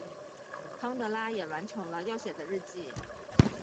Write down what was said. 康拉德也完成了要写的日记。